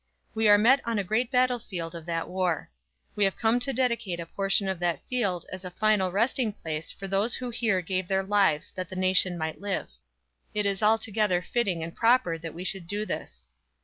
We are met on a great battlefield of that war. We have come to dedicate a portion of that field as a final resting place for those who here gave their lives that the nation might live. It is altogether fitting and proper that we should do this.